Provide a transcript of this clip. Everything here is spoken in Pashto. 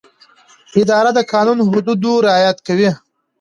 اداره د قانوني حدودو رعایت کوي.